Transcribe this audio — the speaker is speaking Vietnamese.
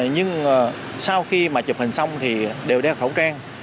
nhưng sau khi mà chụp hình xong thì đều đeo khẩu trang